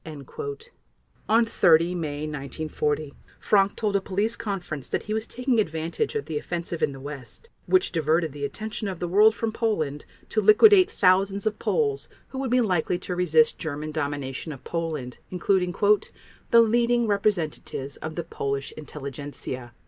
On 30 May 1940 Frank told a police conference that he was taking advantage of the offensive in the West which diverted the attention of the world from Poland to liquidate thousands of Poles who would be likely to resist German domination of Poland, including "the leading representatives of the Polish intelligentsia."